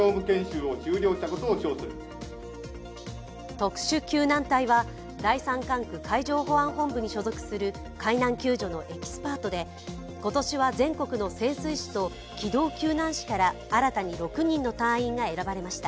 特殊救難隊は、第三管区海上保安本部に所属する海難救助のエキスパートで、今年は全国の潜水士と機動救難士から新たに６人の隊員が選ばれました。